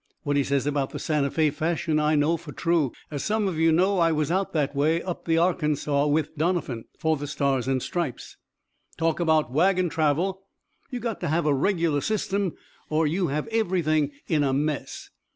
What he says about the Santa Fé fashion I know for true. As some of you know, I was out that way, up the Arkansas, with Doniphan, for the Stars and Stripes. Talk about wagon travel you got to have a regular system or you have everything in a mess.